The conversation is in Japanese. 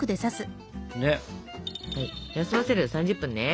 休ませるの３０分ね。